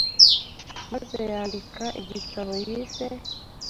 maze yandika igitabo yise